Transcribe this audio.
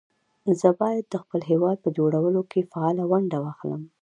زه بايد د خپل هېواد په جوړونه کې فعاله ونډه واخلم